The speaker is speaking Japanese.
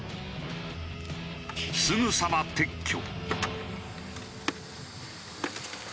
すぐさま撤去。